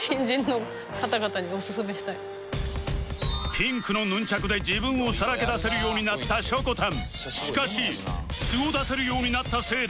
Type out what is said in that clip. ピンクのヌンチャクで自分をさらけ出せるようになったしょこたん